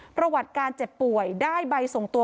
ประวัติการเจ็บป่วยได้ใบส่งตัว